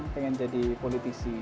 pengen jadi politisi